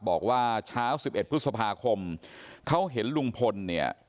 บอกว่าเช้า๑๑พฤษภาคมเขาเห็นลุงพลเนี่ย